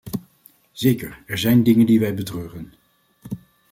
Zeker, er zijn dingen die wij betreuren.